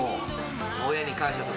親に感謝とか。